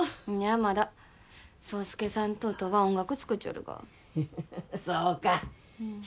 まだ爽介さんと音は音楽作っちょるがフフフそうか